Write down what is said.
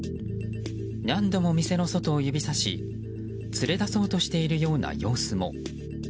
何度も店の外を指さし連れ出そうとしているような様子も。